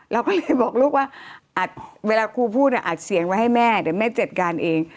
เราก็เลยบอกลูกว่าเวลาครูพูดอัดเสียงไว้ให้แม่เดี๋ยวแม่จัดการเอง